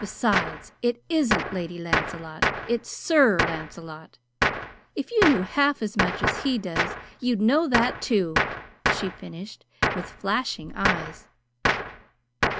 Besides, it isn't 'Lady Lancelot,' it's 'Sir Lancelot.' If you knew half as much as he does you'd know that, too!" she finished, with flashing eyes.